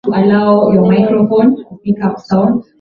Maneno yaliyonenwa ni ya muhimu sana